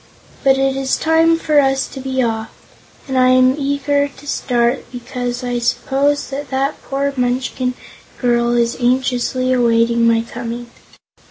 But it is time for us to be off, and I am eager to start because I suppose that that poor Munchkin girl is anxiously awaiting my coming."